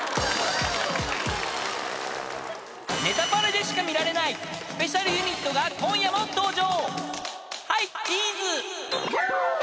［『ネタパレ』でしか見られないスペシャルユニットが今夜も登場］